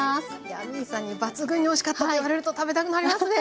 ヤミーさんに抜群においしかったと言われると食べたくなりますね。